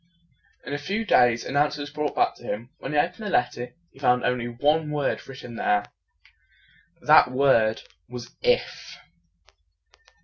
In a few days, an answer was brought back to him. When he opened the letter, he found only one word written there. That word was "IF."